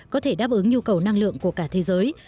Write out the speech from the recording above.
có thể đáp ứng nhu cầu năng lượng của cả thế giới